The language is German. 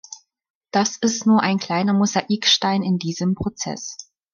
Das ist nur ein kleiner Mosaikstein in diesem Prozess.